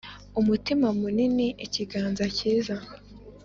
umutima munini, ikiganza cyiza;